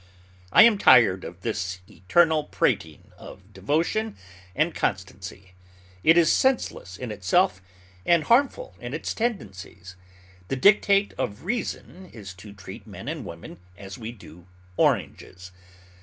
I am tired of this eternal prating of devotion and constancy. It is senseless in itself and harmful in its tendencies. The dictate of reason is to treat men and women as we do oranges.